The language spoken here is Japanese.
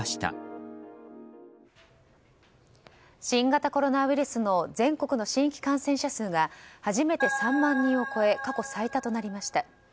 新型コロナウイルスの全国新規感染者数が初めて３万人を超え過去最多となりました。